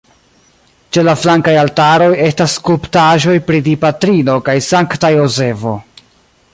Ĉe la flankaj altaroj estas skulptaĵoj pri Dipatrino kaj Sankta Jozefo.